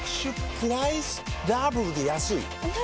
プライスダブルで安いＮｏ！